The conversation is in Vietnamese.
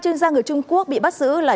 chuyên gia người trung quốc bị bắt giữ là